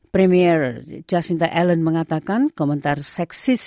premier jacinta allen mengatakan komentar seksis